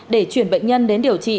để chuyển bệnh nhân đến điều trị